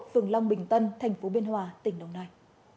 phường long bình tân tp biên hòa tỉnh đồng nai